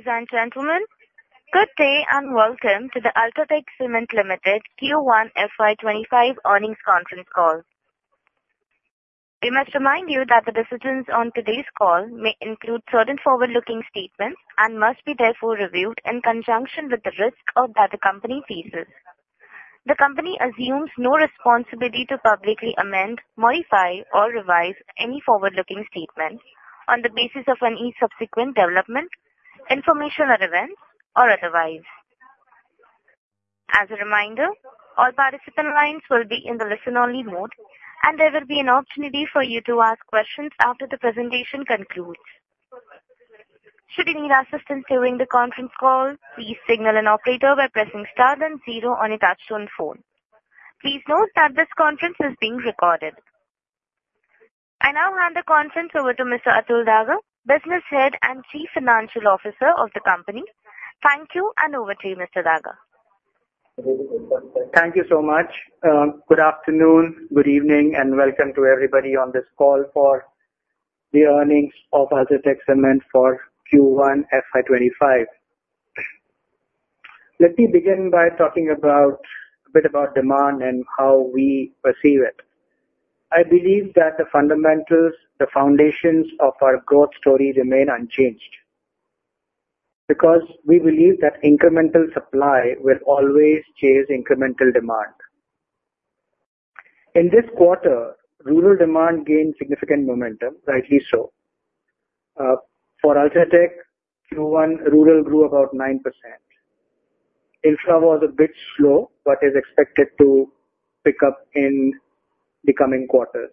Ladies and gentlemen, good day, and welcome to the UltraTech Cement Limited Q1 FY25 Earnings Conference Call. We must remind you that the discussions on today's call may include certain forward-looking statements and must be therefore reviewed in conjunction with the risks that the company faces. The company assumes no responsibility to publicly amend, modify, or revise any forward-looking statements on the basis of any subsequent development, information or events, or otherwise. As a reminder, all participant lines will be in the listen-only mode, and there will be an opportunity for you to ask questions after the presentation concludes. Should you need assistance during the conference call, please signal an operator by pressing star then zero on your touchtone phone. Please note that this conference is being recorded. I now hand the conference over to Mr. Atul Daga, Business Head and Chief Financial Officer of the company. Thank you, and over to you, Mr. Daga. Thank you so much. Good afternoon, good evening, and welcome to everybody on this call for the earnings of UltraTech Cement for Q1 FY 2025. Let me begin by talking about a bit about demand and how we perceive it. I believe that the fundamentals, the foundations of our growth story remain unchanged, because we believe that incremental supply will always chase incremental demand. In this quarter, rural demand gained significant momentum, rightly so. For UltraTech, Q1 rural grew about 9%. Infra was a bit slow, but is expected to pick up in the coming quarters.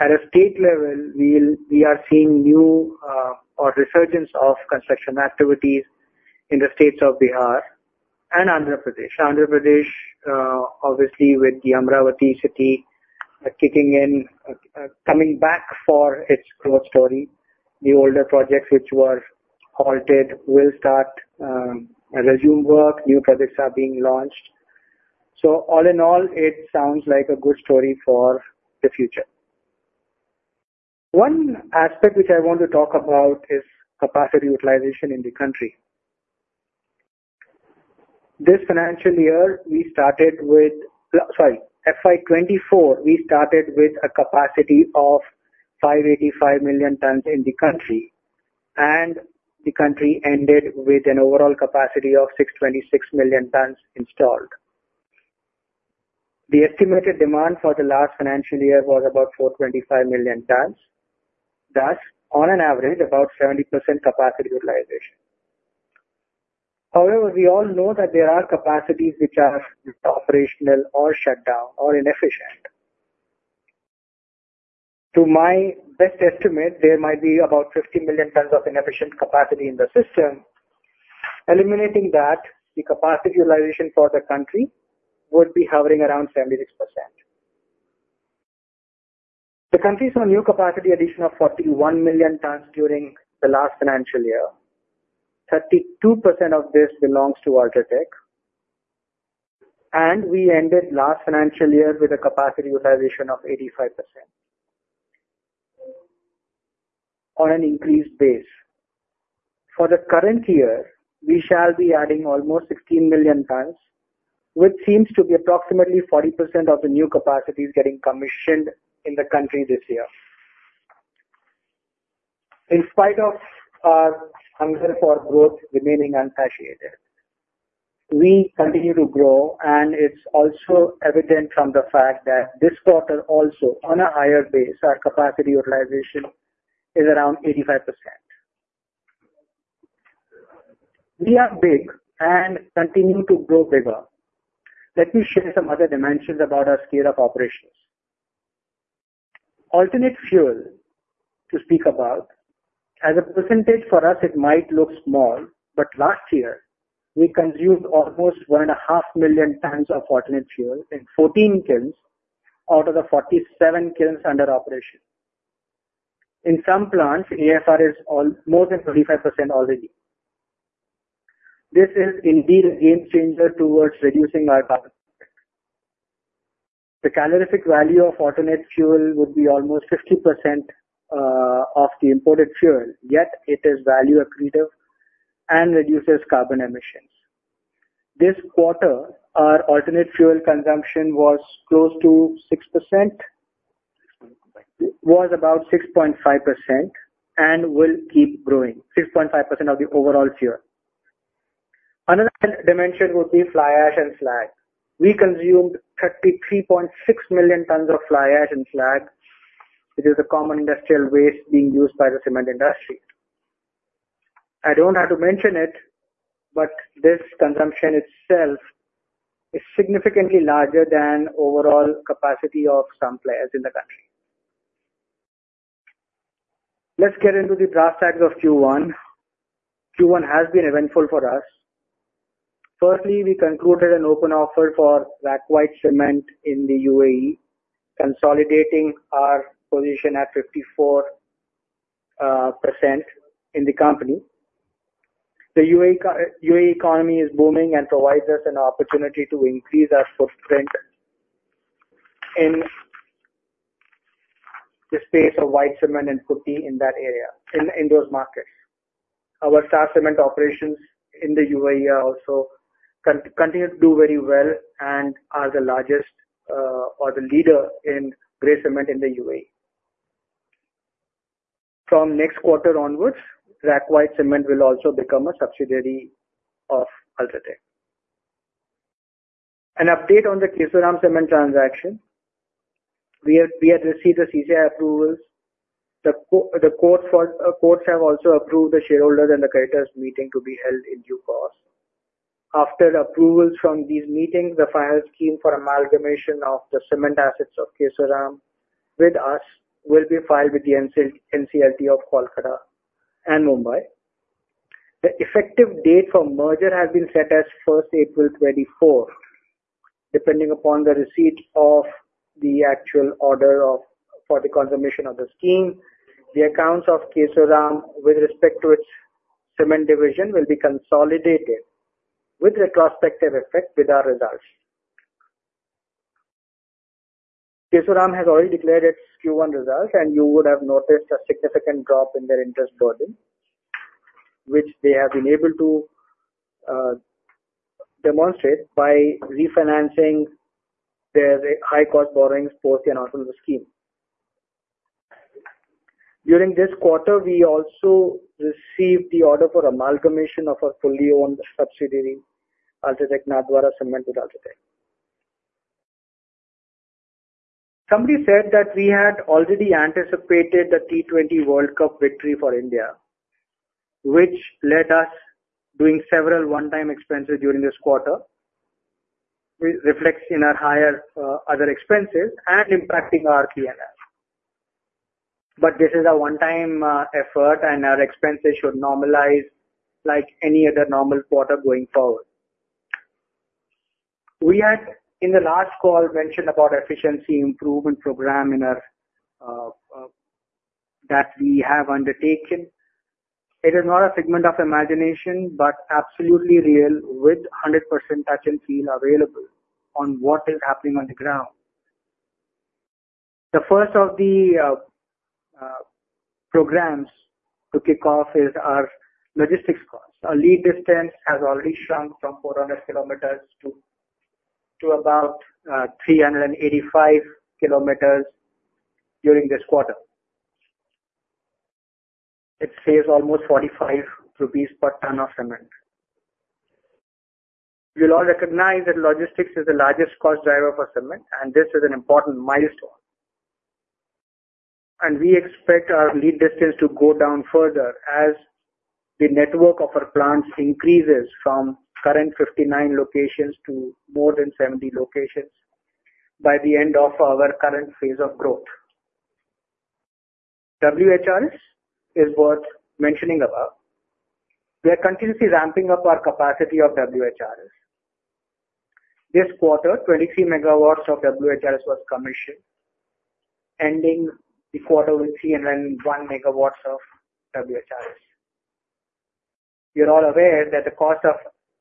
At a state level, we are seeing new or resurgence of construction activities in the states of Bihar and Andhra Pradesh. Andhra Pradesh, obviously with the Amaravati city, kicking in, coming back for its growth story. The older projects which were halted will start, resume work. New projects are being launched. So all in all, it sounds like a good story for the future. One aspect which I want to talk about is capacity utilization in the country. This financial year, we started with - Sorry, FY 2024, we started with a capacity of 585 million tons in the country, and the country ended with an overall capacity of 626 million tons installed. The estimated demand for the last financial year was about 425 million tons. That's on an average, about 70% capacity utilization. However, we all know that there are capacities which are operational or shut down or inefficient. To my best estimate, there might be about 50 million tons of inefficient capacity in the system. Eliminating that, the capacity utilization for the country would be hovering around 76%. The country saw a new capacity addition of 41 million tons during the last financial year. 32% of this belongs to UltraTech, and we ended last financial year with a capacity utilization of 85% on an increased base. For the current year, we shall be adding almost 16 million tons, which seems to be approximately 40% of the new capacities getting commissioned in the country this year. In spite of our hunger for growth remaining unsatiated, we continue to grow, and it's also evident from the fact that this quarter also, on a higher base, our capacity utilization is around 85%. We are big and continue to grow bigger. Let me share some other dimensions about our scale of operations. Alternate fuel, to speak about, as a percentage for us it might look small, but last year we consumed almost 1.5 million tons of alternate fuel in 14 kilns out of the 47 kilns under operation. In some plants, AFR is all, more than 25% already. This is indeed a game changer towards reducing our carbon. The calorific value of alternate fuel would be almost 50% of the imported fuel, yet it is value accretive and reduces carbon emissions. This quarter, our alternate fuel consumption was close to 6%. Was about 6.5% and will keep growing. 6.5% of the overall fuel. Another dimension would be fly ash and slag. We consumed 33.6 million tons of fly ash and slag, which is a common industrial waste being used by the cement industry. I don't have to mention it, but this consumption itself is significantly larger than overall capacity of some players in the country. Let's get into the brass tacks of Q1. Q1 has been eventful for us. Firstly, we concluded an open offer for RAK White Cement in the UAE, consolidating our position at 54% in the company. The UAE economy is booming and provides us an opportunity to increase our footprint in the space of white cement and putty in that area, in those markets. Our Star Cement operations in the UAE are also continue to do very well and are the largest or the leader in gray cement in the UAE. From next quarter onwards, RAK White Cement will also become a subsidiary of UltraTech. An update on the Kesoram Cement transaction. We had received the CCI approvals. The courts have also approved the shareholders and the creditors meeting to be held in due course. After approvals from these meetings, the final scheme for amalgamation of the cement assets of Kesoram with us will be filed with the NCLT of Kolkata and Mumbai. The effective date for merger has been set as first April 2024. Depending upon the receipt of the actual order of, for the confirmation of the scheme, the accounts of Kesoram with respect to its cement division, will be consolidated with retrospective effect with our results. Kesoram has already declared its Q1 results, and you would have noticed a significant drop in their interest burden, which they have been able to demonstrate by refinancing their high cost borrowings both and also in the scheme. During this quarter, we also received the order for amalgamation of our fully owned subsidiary, UltraTech Nathdwara Cement with UltraTech. Somebody said that we had already anticipated the T20 World Cup victory for India, which led us doing several one-time expenses during this quarter. It reflects in our higher other expenses and impacting our P&L. But this is a one-time effort, and our expenses should normalize like any other normal quarter going forward. We had, in the last call, mentioned about efficiency improvement program in our, that we have undertaken. It is not a segment of imagination, but absolutely real, with 100% touch and feel available on what is happening on the ground. The first of the, programs to kick off is our logistics costs. Our lead distance has already shrunk from 400 km to about 385 km during this quarter. It saves almost 45 rupees per ton of cement. You'll all recognize that logistics is the largest cost driver for cement, and this is an important milestone. And we expect our lead distance to go down further as the network of our plants increases from current 59 locations to more than 70 locations by the end of our current phase of growth. WHRS is worth mentioning about. We are continuously ramping up our capacity of WHRS. This quarter, 23 MW of WHRS was commissioned, ending the quarter with 301 MW of WHRS. You're all aware that the cost of,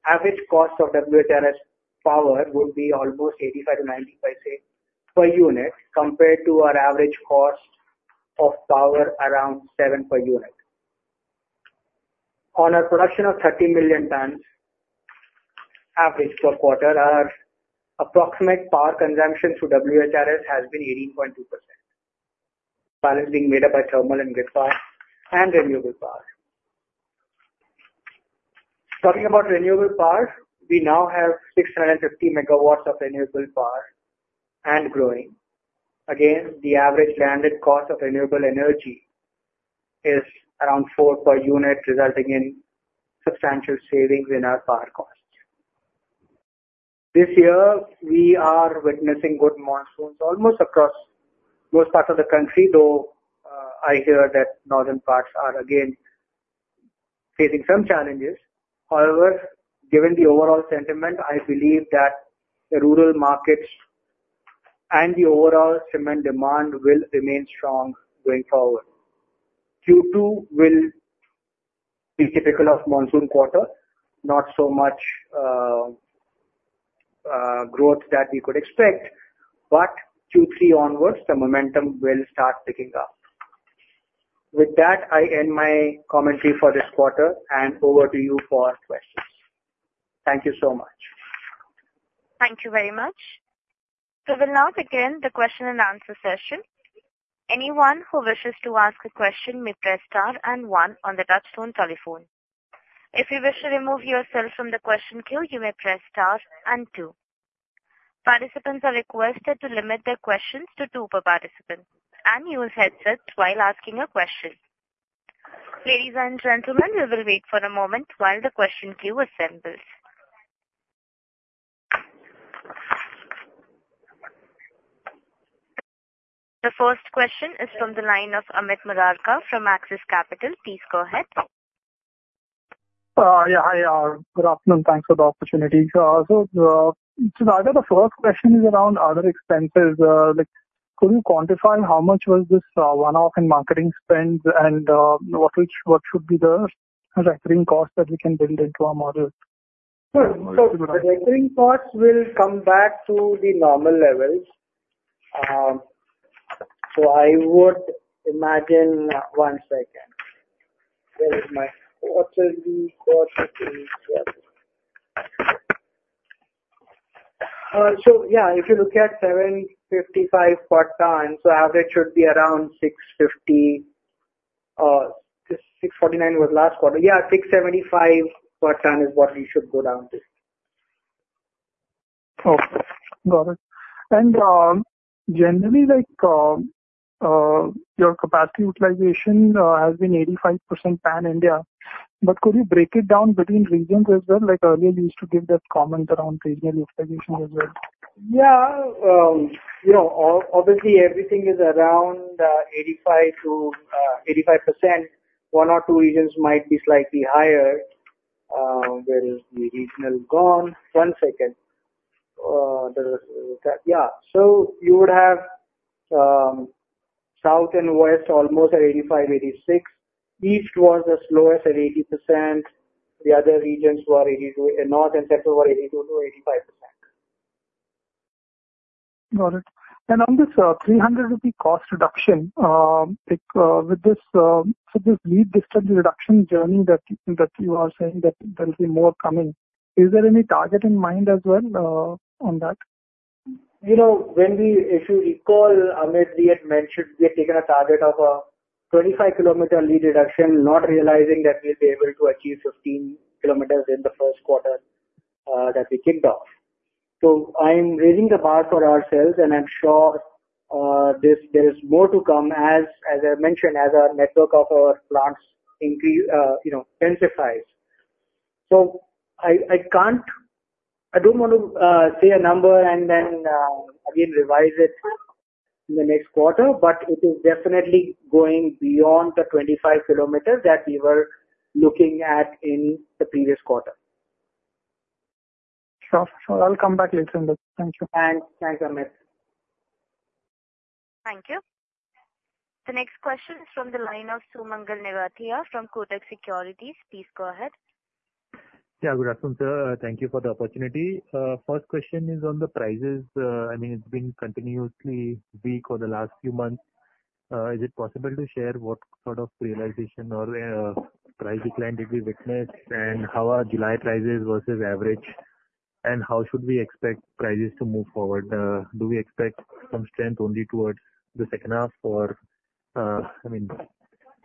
average cost of WHRS power would be almost 0.85-0.90 per unit, compared to our average cost of power, around 7 per unit. On our production of 13 million tons, average per quarter, our approximate power consumption to WHRS has been 18.2%. Balance being made up by thermal and grid power and renewable power. Talking about renewable power, we now have 650 MW of renewable power and growing. Again, the average landed cost of renewable energy is around 4 per unit, resulting in substantial savings in our power costs. This year, we are witnessing good monsoons almost across most parts of the country, though, I hear that northern parts are again facing some challenges. However, given the overall sentiment, I believe that the rural markets and the overall cement demand will remain strong going forward. Q2 will be typical of monsoon quarter, not so much, growth that we could expect, but Q3 onwards, the momentum will start picking up. With that, I end my commentary for this quarter, and over to you for questions. Thank you so much. Thank you very much. We will now begin the question and answer session. Anyone who wishes to ask a question may press star and one on the touchtone telephone. If you wish to remove yourself from the question queue, you may press star and two. Participants are requested to limit their questions to two per participant and use headsets while asking a question. Ladies and gentlemen, we will wait for a moment while the question queue assembles. The first question is from the line of Amit Murarka from Axis Capital. Please go ahead. Yeah. Hi, good afternoon, and thanks for the opportunity. So, neither the first question is around other expenses. Like, could you quantify how much was this, one-off in marketing spends? And, what would, what should be the recurring cost that we can build into our model? Sure. So the recurring costs will come back to the normal levels. So I would imagine, so yeah, if you look at 755 per ton, so average should be around 650, 649 was last quarter. Yeah, 675 per ton is what we should go down to. Okay, got it. And, generally, like, your capacity utilization has been 85% pan-India, but could you break it down between regions as well? Like earlier, you used to give that comment around regional utilization as well. Yeah, you know, obviously everything is around 85% to 85%. One or two regions might be slightly higher. Where is the regional gone? One second. The, yeah. So you would have south and west almost at 85%, 86%. East was the slowest at 80%. The other regions were 82, and north and central were 82%-85%. Got it. And on this, 300 rupee cost reduction, like, with this, so this lead distance reduction journey that, that you are saying that there will be more coming, is there any target in mind as well, on that? You know, when we, if you recall, Amit, we had mentioned we had taken a target of 25 km lead reduction, not realizing that we'd be able to achieve 15 km in the first quarter that we kicked off. So I'm raising the bar for ourselves, and I'm sure, there's, there is more to come as, as I mentioned, as our network of our plants increase, you know, intensifies. So I, I can't. I don't want to say a number and then again revise it in the next quarter, but it is definitely going beyond the 25 km that we were looking at in the previous quarter. Sure. I'll come back later on this. Thank you. Thanks. Thanks, Amit. Thank you. The next question is from the line of Sumangal Nevtia from Kotak Securities. Please go ahead. Yeah, good afternoon, sir. Thank you for the opportunity. First question is on the prices. I mean, it's been continuously weak for the last few months. Is it possible to share what sort of realization or price decline did we witness? And how are July prices versus average, and how should we expect prices to move forward? Do we expect some strength only towards the second half or, I mean-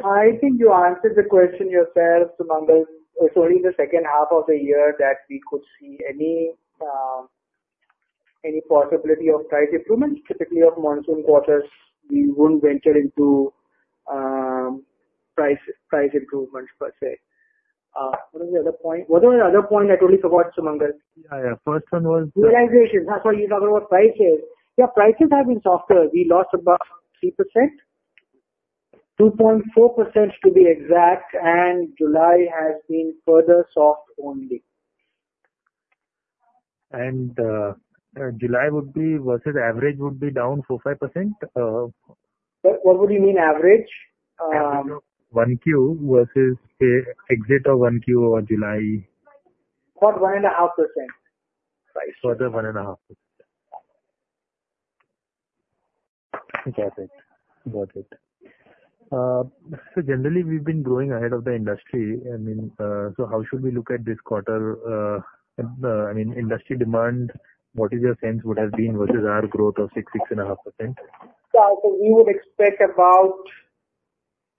I think you answered the question yourself, Sumangal. It's only in the second half of the year that we could see any, any possibility of price improvements, typically of monsoon quarters. We won't venture into, price, price improvements per se. What was the other point? What was the other point I told you about, Sumangal? Yeah, yeah. First one was- Realization. That's why you're talking about prices. Yeah, prices have been softer. We lost about 3%, 2.4% to be exact, and July has been further soft only. July would be, versus average, would be down 4%-5%? What, what would you mean, average? 1Q versus, say, exit of 1Q over July. About 1.5%. Further 1.5%. Got it. Got it. So generally, we've been growing ahead of the industry. I mean, so how should we look at this quarter, I mean, industry demand, what is your sense would have been versus our growth of 6%, 6.5%? We would expect about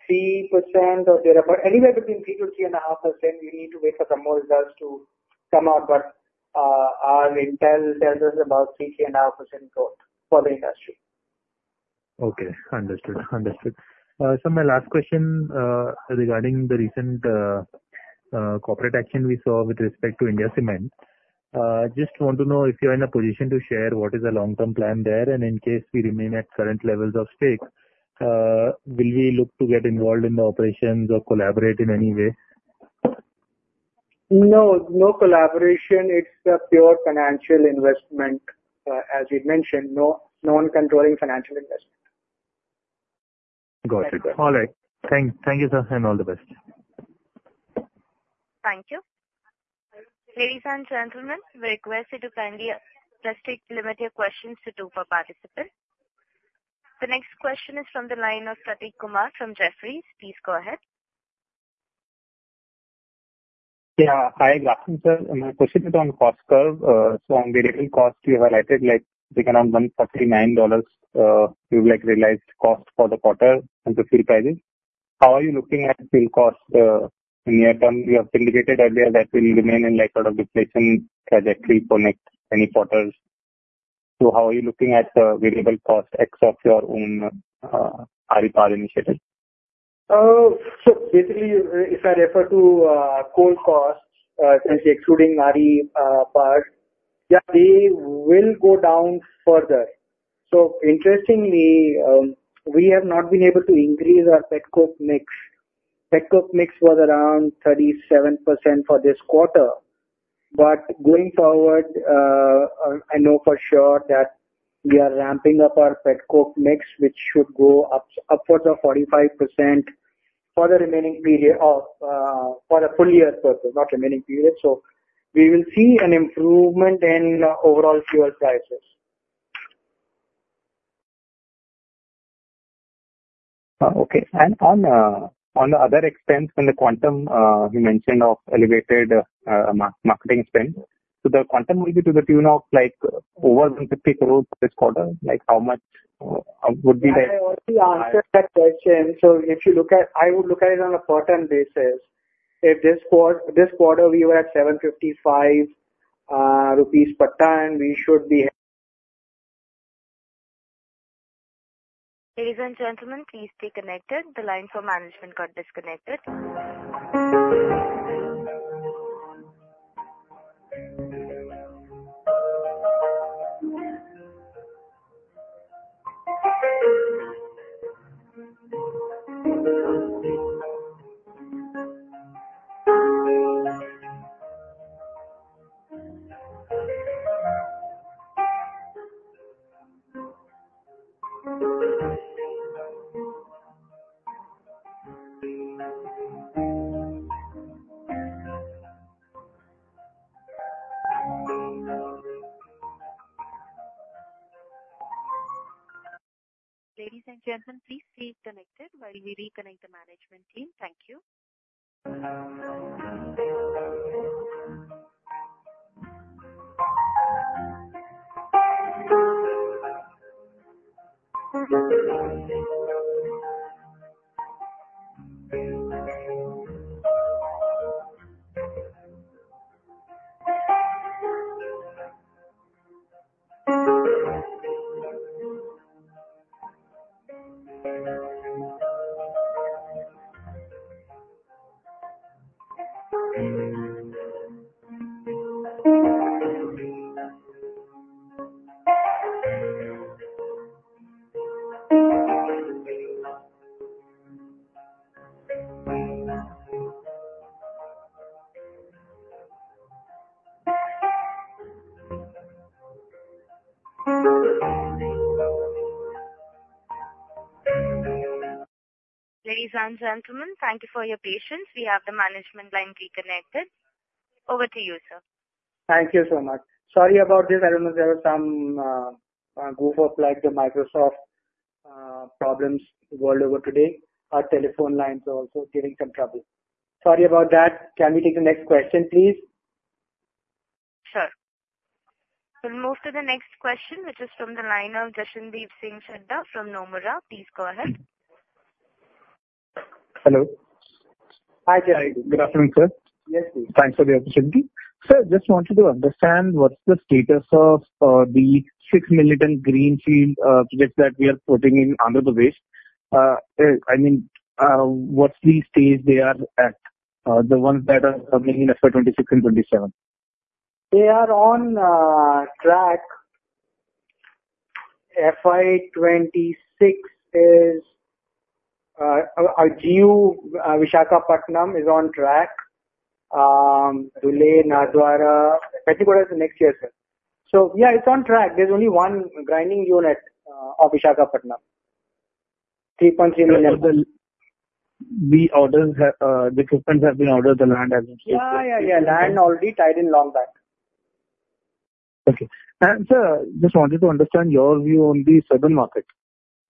3% or thereabout, anywhere between 3%-3.5%. We need to wait for some more results to come out, but our intel tells us about 3%-3.5% growth for the industry. Okay. Understood. Understood. So my last question, regarding the recent corporate action we saw with respect to India Cements, just want to know if you're in a position to share what is the long-term plan there, and in case we remain at current levels of stake, will we look to get involved in the operations or collaborate in any way? No, no collaboration. It's a pure financial investment. As you mentioned, no, non-controlling financial investment. Got it. All right. Thank you, sir, and all the best. Thank you. Ladies and gentlemen, we request you to kindly just take, limit your questions to two per participant. The next question is from the line of Prateek Kumar from Jefferies. Please go ahead. Yeah. Hi, good afternoon, sir. My question is on cost curve. So on variable cost, you have highlighted, like, around $149, you've, like, realized cost for the quarter and the fuel prices. How are you looking at fuel costs in near term? You have indicated earlier that will remain in, like, sort of deflation trajectory for next many quarters. So how are you looking at the variable cost ex of your own RE Power initiative? So basically, if I refer to coal costs, essentially excluding RE power, yeah, they will go down further. So interestingly, we have not been able to increase our petcoke mix. Petcoke mix was around 37% for this quarter, but going forward, I know for sure that we are ramping up our petcoke mix, which should go upwards of 45%. For the remaining period of, for the full year purpose, not remaining period. So we will see an improvement in overall fuel prices. Okay. And on the other expense, on the quantum, you mentioned of elevated marketing spend. So the quantum will be to the tune of, like, over 150 crore this quarter? Like, how much would be the- I already answered that question. So if you look at it, I would look at it on a quarter basis. If this quarter, we were at 755 rupees per ton, we should be- Ladies and gentlemen, please stay connected. The line for management got disconnected. Ladies and gentlemen, please stay connected while we reconnect the management team. Thank you. Ladies and gentlemen, thank you for your patience. We have the management line reconnected. Over to you, sir. Thank you so much. Sorry about this. I don't know, there was some goof up, like the Microsoft problems the world over today. Our telephone lines are also giving some trouble. Sorry about that. Can we take the next question, please? Sure. We'll move to the next question, which is from the line of Jashandeep Singh Chadha from Nomura. Please go ahead. Hello. Hi, Jash. Good afternoon, sir. Yes, please. Thanks for the opportunity. Sir, just wanted to understand what's the status of the 6 million greenfield projects that we are putting in under the waste. I mean, what's the stage they are at, the ones that are coming in FY 2026 and 2027? They are on track. FY 2026 is our GU Visakhapatnam is on track. Dhule, Nathdwara, Achhupara is next year, sir. So yeah, it's on track. There's only one grinding unit of Visakhapatnam, 3.3 million. The orders have, the equipment has been ordered, the land has been secured? Yeah, yeah, yeah. Land already tied in long back. Okay. And sir, just wanted to understand your view on the southern market.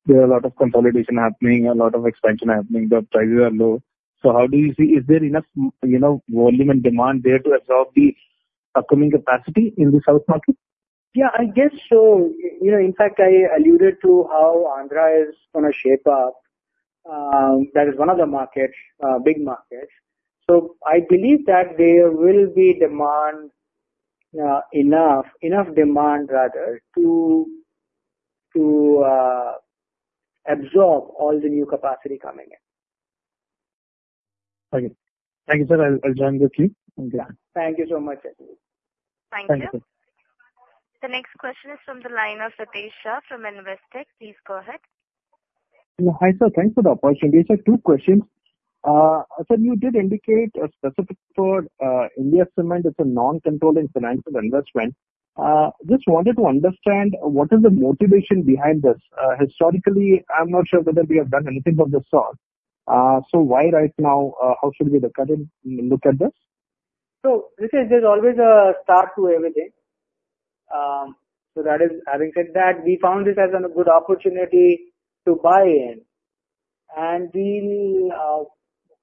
There are a lot of consolidation happening, a lot of expansion happening, the prices are low. So how do you see, is there enough, you know, volume and demand there to absorb the upcoming capacity in the south market? Yeah, I guess so. You know, in fact, I alluded to how Andhra is gonna shape up. That is one of the markets, big markets. So I believe that there will be demand, enough, enough demand rather, to, to, absorb all the new capacity coming in. Okay. Thank you, sir. I'll join the queue. Thank you. Thank you so much. Thank you. The next question is from the line of Ritesh Shah from Investec. Please go ahead. Hi, sir. Thanks for the opportunity. Sir, two questions. Sir, you did indicate a specific for India Cements. It's a non-controlling financial investment. Just wanted to understand what is the motivation behind this? Historically, I'm not sure whether we have done anything of the sort. So why right now? How should we look at it, look at this? So this is, there's always a start to everything. So that is, having said that, we found this as a good opportunity to buy in, and we,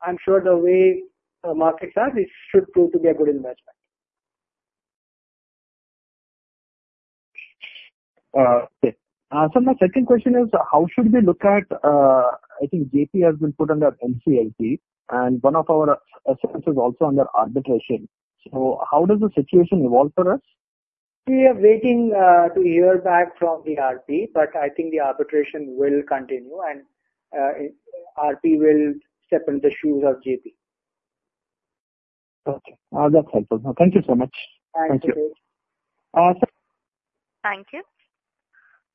I'm sure the way the markets are, this should prove to be a good investment. Okay. So my second question is, how should we look at, I think JP has been put under NCLT, and one of our assets is also under arbitration. So how does the situation evolve for us? We are waiting to hear back from the RP, but I think the arbitration will continue, and RP will step in the shoes of JP. Okay. That's helpful. Thank you so much. Thank you. Thank you.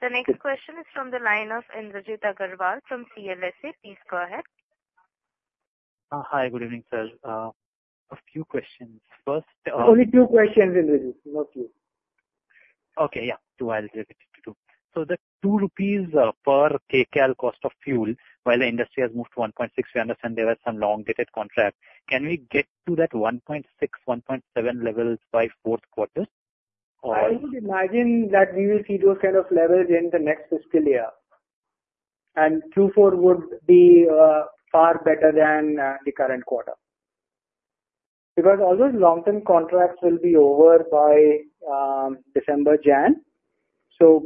The next question is from the line of Indrajit Agarwal from CLSA. Please go ahead. Hi. Good evening, sir. A few questions. First, Only two questions, Indrajit, not few. Okay, yeah, 2, I'll get it to INR 2. So the 2 rupees per kCal cost of fuel, while the industry has moved to 1.6, we understand there were some long-dated contracts. Can we get to that 1.6, 1.7 levels by fourth quarter, or? I would imagine that we will see those kind of levels in the next fiscal year, and Q4 would be far better than the current quarter. Because all those long-term contracts will be over by December, Jan. So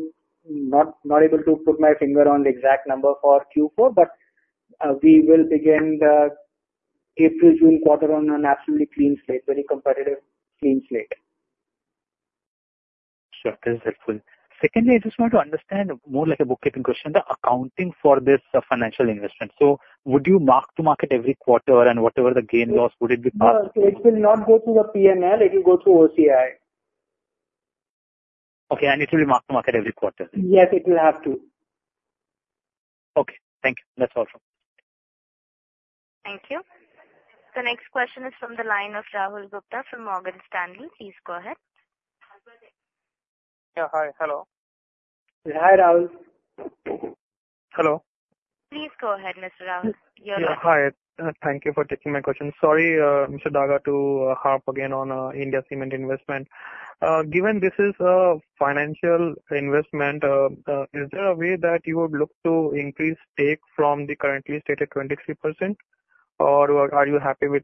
not able to put my finger on the exact number for Q4, but we will begin the April-June quarter on an absolutely clean slate, very competitive, clean slate. Sure, that is helpful. Secondly, I just want to understand, more like a bookkeeping question, the accounting for this financial investment. So would you mark to market every quarter and whatever the gain loss, would it be marked? No, it will not go through the P&L. It will go through OCI. Okay, and it will be mark to market every quarter? Yes, it will have to. Okay, thank you. That's all for now. Thank you. The next question is from the line of Rahul Gupta from Morgan Stanley. Please go ahead. Yeah. Hi. Hello. Hi, Rahul. Hello. Please go ahead, Mr. Rahul. You're on- Yeah, hi. Thank you for taking my question. Sorry, Mr. Daga, to hop again on, India Cements investment. Given this is a financial investment, is there a way that you would look to increase stake from the currently stated 23%, or are you happy with,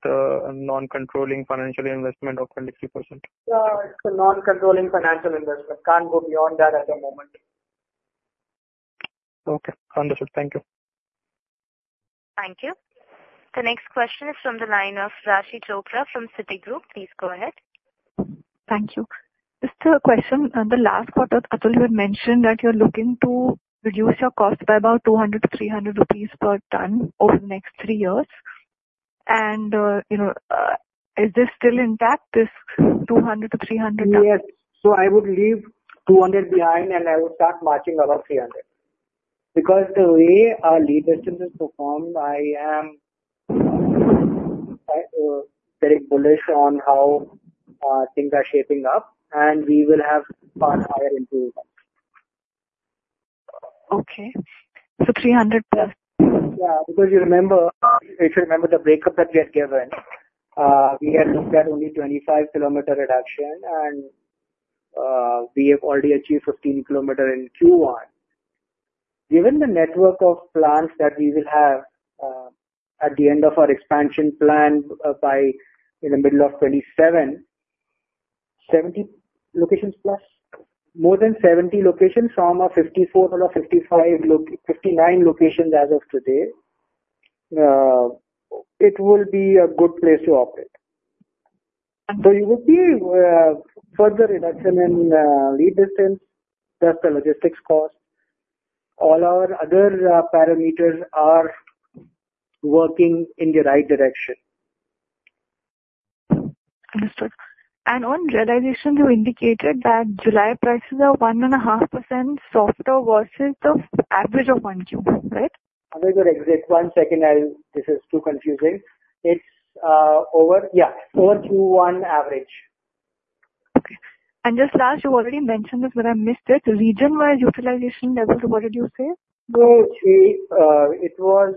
non-controlling financial investment of 23%? It's a non-controlling financial investment. Can't go beyond that at the moment. Okay, understood. Thank you. Thank you. The next question is from the line of Raashi Chopra from Citigroup. Please go ahead. Thank you. Just a question, on the last quarter, Atul, you had mentioned that you're looking to reduce your cost by about 200-300 rupees per ton over the next three years. And, you know, is this still intact, this 200-300? Yes. I would leave 200 behind, and I would start marching above 300. Because the way our lead distance has performed, I am very bullish on how things are shaping up, and we will have far higher improvements. Okay. So 300+? Yeah, because you remember, if you remember the breakup that we had given, we had looked at only 25 km reduction and, we have already achieved 15 km in Q1. Given the network of plants that we will have, at the end of our expansion plan, by the middle of 2027, 70 locations+? More than 70 locations from a 54 or a 55 locations, 59 locations as of today. It will be a good place to operate. So you will see, further reduction in, lead distance, plus the logistics cost. All our other, parameters are working in the right direction. Understood. And on realization, you indicated that July prices are 1.5% softer versus the average of 1Q, right? I'm very sorry. Just one second, I'll... This is too confusing. It's over, yeah, over Q1 average. Okay. And just last, you already mentioned this, but I missed it. The region-wide utilization levels, what did you say? No, we, it was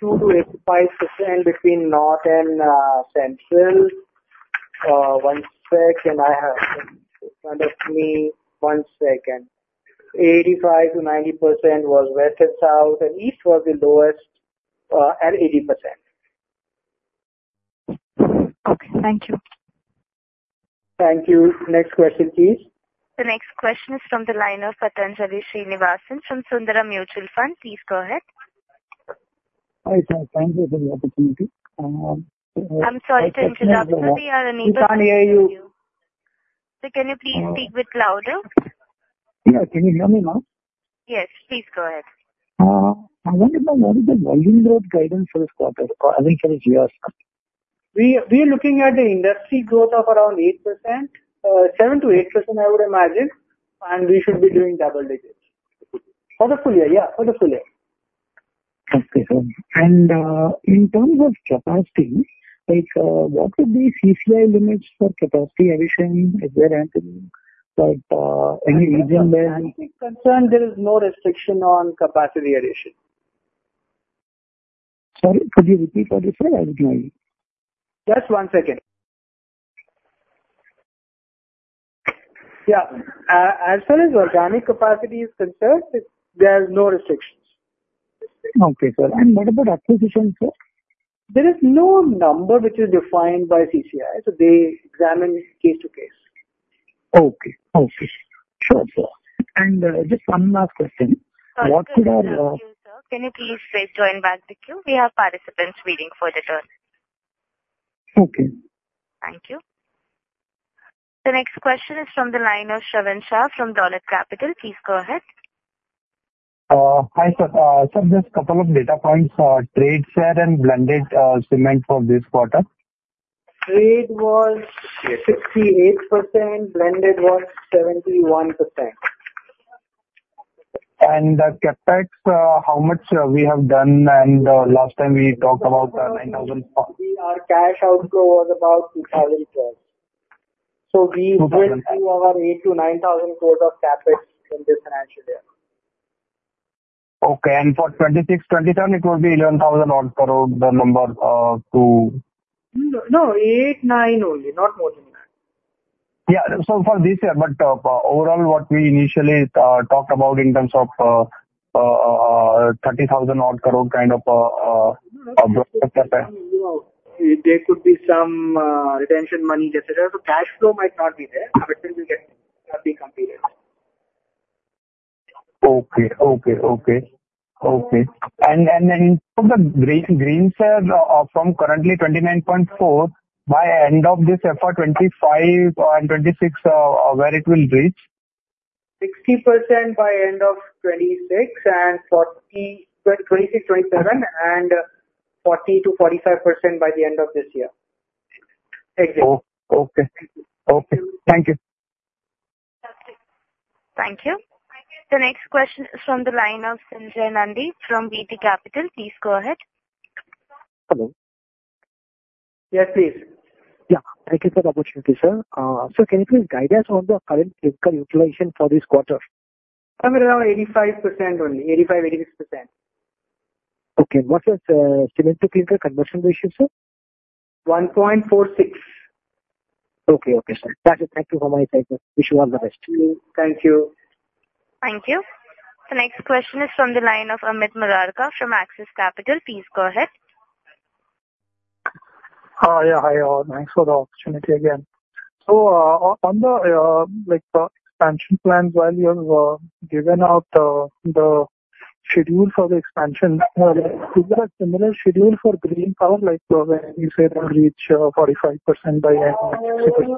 82%-85% between north and central. One sec, and I have in front of me, one second. 85%-90% was west and south, and east was the lowest, at 80%. Okay, thank you. Thank you. Next question, please. The next question is from the line of Pathanjali Srinivasan from Sundaram Mutual Fund. Please go ahead. Hi, sir, thank you for the opportunity. I'm sorry to interrupt you, we are unable to hear you. Sir, can you please speak a bit louder? Yeah. Can you hear me now? Yes, please go ahead. I wanted to know what is the volume growth guidance for this quarter, I mean, for this year, sir? We are looking at the industry growth of around 8%, 7%-8%, I would imagine, and we should be doing double digits. For the full year, yeah, for the full year. Okay, sir. In terms of capacity, like, what would be CCI limits for capacity addition? Is there anything like, any region where- As far as capacity is concerned, there is no restriction on capacity addition. Sorry, could you repeat that, sir? I did not hear you. Just one second. Yeah. As far as organic capacity is concerned, there are no restrictions. Okay, sir. What about acquisitions, sir? There is no number which is defined by CCI, so they examine case to case. Okay, okay. Sure, sir. And, just one last question. What would our, Thank you, sir. Can you please press join back to queue? We have participants waiting for their turn. Okay. Thank you. The next question is from the line of Shravan Shah from Dolat Capital. Please go ahead. Hi, sir. So just couple of data points for trade share and blended cement for this quarter. Trade was 68%, blended was 71%. The CapEx, how much we have done? Last time we talked about INR 9,000. Our cash outflow was about 2,000 crore. So we- Our 8,000 crore-9,000 crore of CapEx in this financial year. Okay, and for 2026, 2027, it will be 11,000-odd crore, the number, to- No, no, 8,000 crore, 9,000 crore only, not more than that. Yeah. So for this year, but overall, what we initially talked about in terms of 30,000-odd crore kind of CapEx. There could be some retention money, et cetera. So cash flow might not be there, but it will get be completed. Okay. And the green share from currently 29,400 crore, by end of this FY 2025 and 2026, where it will reach? 60% by end of 2026 and 40%, well, 2026, 2027, and 40%-45% by the end of this year. Exactly. Oh, okay. Okay. Thank you. Thank you. The next question is from the line of Sanjay Nandi from VT Capital. Please go ahead. Hello. Yes, please. Yeah. Thank you for the opportunity, sir. Can you please guide us on the current clinker utilization for this quarter? Somewhere around 85% only. 85%-86%. Okay. What is cement to Clinker conversion ratio, sir? 1.46. Okay. Okay, sir. That's it. Thank you for my time, sir. Wish you all the best. Thank you. Thank you. The next question is from the line of Amit Murarka from Axis Capital. Please go ahead. Yeah, hi all. Thanks for the opportunity again. So, on the, like, the expansion plans, while you have given out the schedule for the expansion, is there a similar schedule for green power, like, when you said you'll reach 45% by end of next year?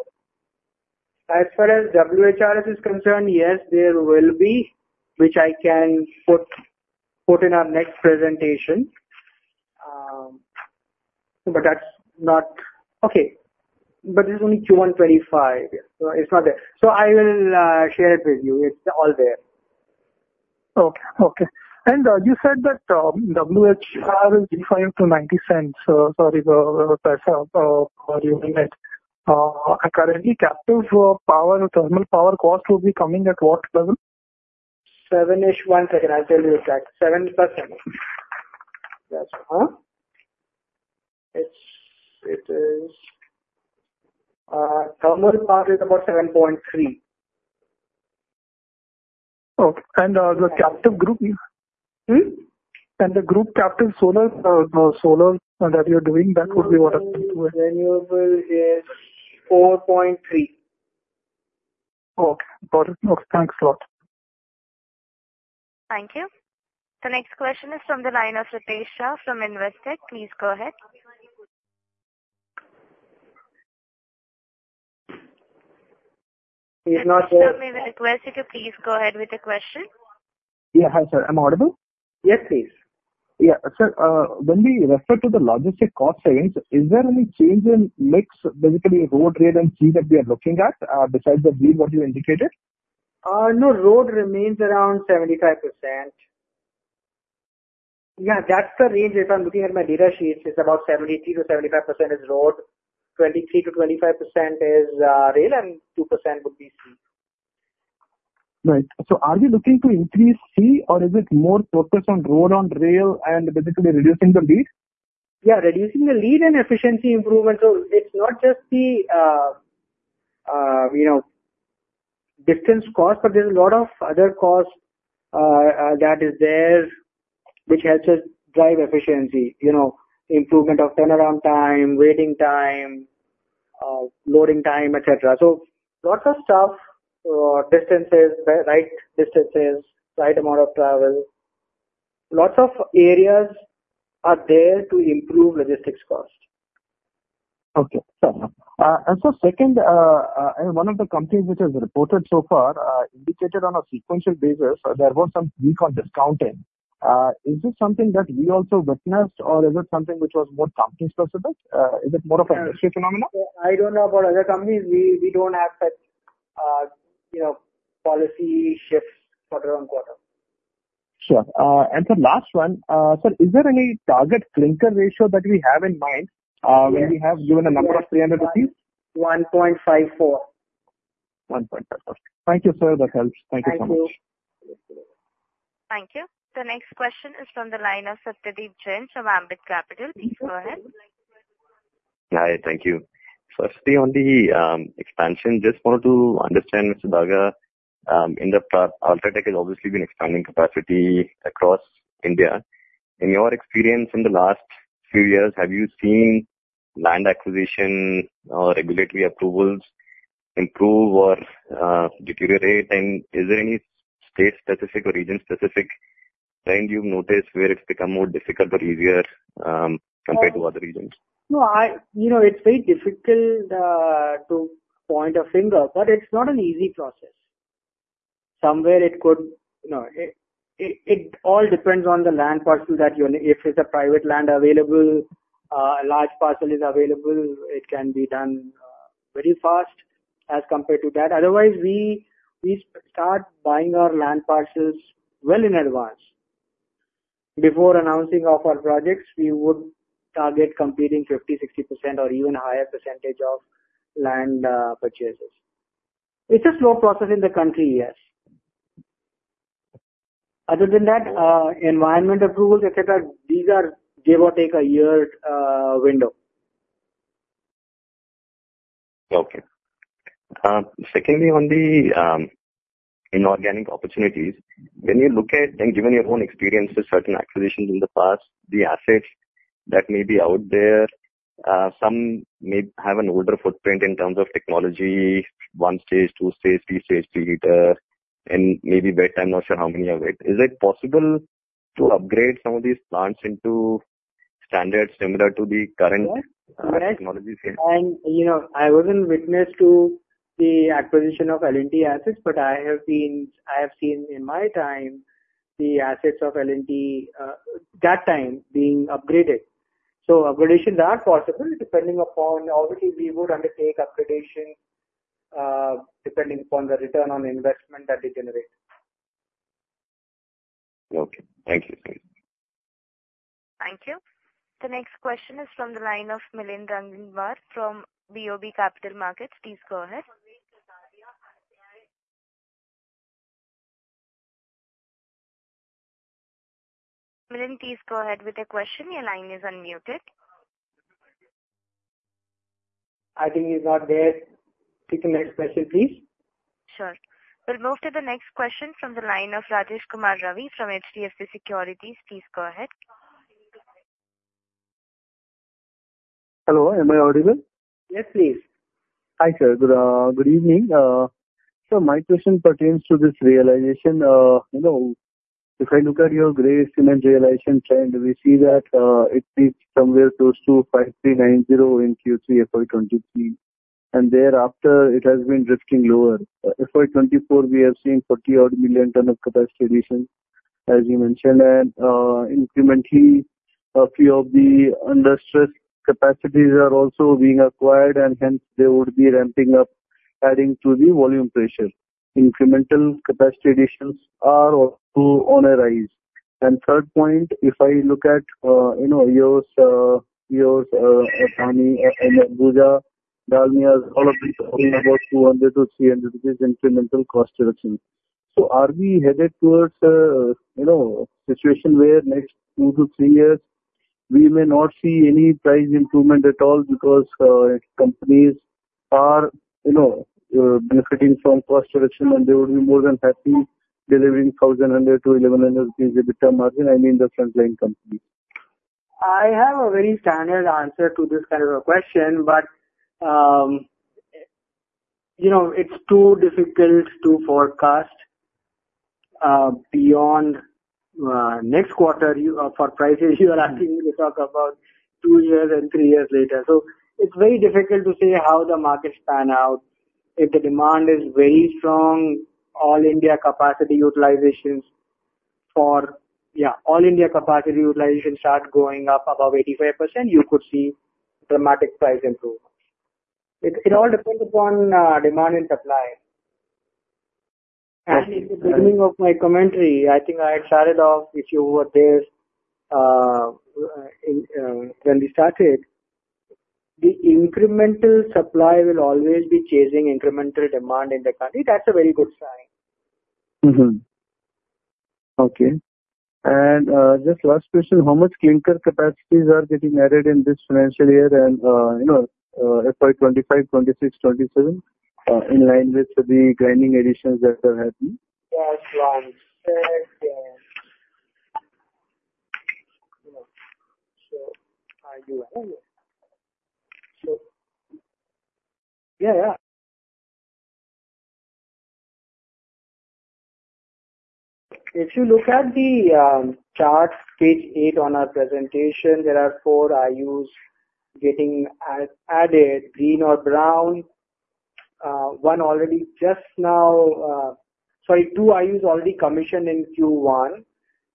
As far as WHRS is concerned, yes, there will be, which I can put in our next presentation. But that's not. Okay, but this is only Q1 25. So it's not there. So I will share it with you. It's all there. Okay, okay. You said that WHRS is defined to 0.90, sorry, paise per unit. Currently, captive power, thermal power cost will be coming at what level? 7-ish. One second, I'll tell you that. 7 + 7. Yes, it's, it is, thermal power is about 7.3%. Okay. And the captive group? Hmm? The group captive solar that you're doing, that would be what? Renewable is 4.3%. Okay, got it. Okay, thanks a lot. Thank you. The next question is from the line of Ritesh Shah from Investec. Please go ahead. He's not there. May we request you to please go ahead with the question? Yeah. Hi, sir. Am I audible? Yes, please. Yeah. Sir, when we refer to the logistics cost savings, is there any change in mix, basically road, rail, and sea that we are looking at, besides the lead what you indicated? No, road remains around 75%. Yeah, that's the range. If I'm looking at my data sheets, it's about 70%-75% is road, 23%-25% is rail, and 2% would be sea. Right. So are you looking to increase sea, or is it more focused on road, on rail, and basically reducing the lead? Yeah, reducing the lead and efficiency improvement. So it's not just the, you know, distance cost, but there's a lot of other costs that is there, which helps us drive efficiency, you know, improvement of turnaround time, waiting time, loading time, etc. So lots of stuff, distances, right distances, right amount of travel. Lots of areas are there to improve logistics cost. Okay. And so second, one of the companies which has reported so far, indicated on a sequential basis, there was some weak on discounting. Is this something that we also witnessed, or is it something which was more company specific? Is it more of an industry phenomenon? I don't know about other companies. We, we don't have such, you know, policy shifts quarter on quarter. Sure. And the last one, sir, is there any target clinker ratio that we have in mind? Yes. -when we have given a number of 300 rupees? 1.54. 1.54. Thank you, sir. That helps. Thank you so much. Thank you. Thank you. The next question is from the line of Satyadeep Jain from Ambit Capital. Please go ahead. Hi, thank you. Firstly, on the expansion, just want to understand, Mr. Daga, in the UltraTech has obviously been expanding capacity across India. In your experience in the last few years, have you seen land acquisition or regulatory approvals improve or deteriorate? And is there any state-specific or region-specific trend you've noticed where it's become more difficult or easier, compared to other regions? No, you know, it's very difficult to point a finger, but it's not an easy process. Somewhere it could, you know, all depends on the land parcel that you own. If it's a private land available, a large parcel is available, it can be done very fast as compared to that. Otherwise, we start buying our land parcels well in advance. Before announcing of our projects, we would target completing 50, 60% or even a higher percentage of land purchases. It's a slow process in the country, yes. Other than that, environment approvals, etc, these are give or take a year window. Okay. Secondly, on the inorganic opportunities, when you look at, and given your own experience with certain acquisitions in the past, the assets that may be out there, some may have an older footprint in terms of technology, one stage, two stage, three stage, 3 L, and maybe better. I'm not sure how many are there. Is it possible to upgrade some of these plants into standards similar to the current technology? You know, I wasn't witness to the acquisition of L&T assets, but I have been. I have seen in my time the assets of L&T that time being upgraded. So upgrades are possible, depending upon, obviously, we would undertake upgradation, depending upon the return on investment that they generate. Okay. Thank you. Thank you. The next question is from the line of Milind Raginwar from BOB Capital Markets. Please go ahead. Milind, please go ahead with your question. Your line is unmuted. I think he's not there. Take the next question, please. Sure. We'll move to the next question from the line of Rajesh Kumar Ravi from HDFC Securities. Please go ahead. Hello, am I audible? Yes, please. Hi, sir. Good evening. So my question pertains to this realization. You know, if I look at your gray cement realization trend, we see that it reached somewhere close to 5,390 in Q3 FY 2023, and thereafter it has been drifting lower. FY 2024, we have seen 40-odd million ton of capacity addition, as you mentioned. And incrementally, a few of the under stress capacities are also being acquired, and hence they would be ramping up, adding to the volume pressure. Incremental capacity additions are also on a rise. Third point, if I look at, you know, yours, yours, Ambuja, Dalmia, all of these are talking about 200-300 rupees incremental cost reduction. So are we headed towards, you know, a situation where next two to three years we may not see any price improvement at all, because, companies are, you know, benefiting from cost reduction, and they would be more than happy delivering 1,000-1,100 EBITDA margin, I mean, the front-line companies? I have a very standard answer to this kind of a question, but you know, it's too difficult to forecast beyond next quarter. You for prices, you are asking me to talk about 2 years and 3 years later. So it's very difficult to say how the markets pan out. If the demand is very strong, all India capacity utilizations for Yeah, all India capacity utilization start going up above 85%, you could see dramatic price improvements. It all depends upon demand and supply. And in the beginning of my commentary, I think I had started off, if you were there, when we started, the incremental supply will always be chasing incremental demand in the country. That's a very good sign. Mm-hmm. Okay. And just last question, how much clinker capacities are getting added in this financial year and, you know, FY 2025, 2026, 2027, in line with the grinding additions that are happening? As long said, so are you? So, yeah, yeah. If you look at the chart, page eight on our presentation, there are four IUs getting added, green or brown. Sorry, two IUs already commissioned in Q1.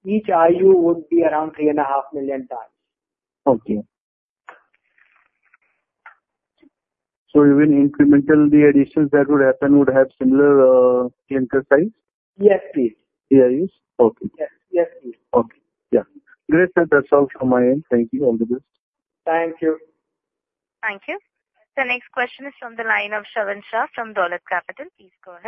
Each IU would be around 3.5 million tons. Okay. So even incremental, the additions that would happen would have similar, clinker size? Yes, please. The IUs? Okay. Yes. Yes, please. Okay. Yeah. Great, then that's all from my end. Thank you. All the best. Thank you. Thank you. The next question is from the line of Shravan Shah from Dolat Capital. Please go ahead.